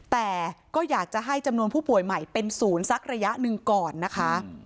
แต่ก็อยากจะให้จำนวนผู้ป่วยใหม่เป็นศูนย์สักระยะหนึ่งก่อนนะคะ